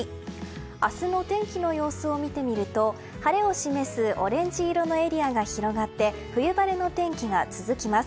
明日の天気の様子を見てみると晴れを示すオレンジ色のエリアが広がって冬晴れの天気が続きます。